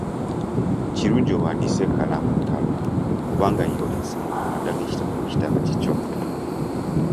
Kirungi owandiise ekkalaamu enkalu kubanga yo esanguka naddala ekitabo bwe kitba kikyo.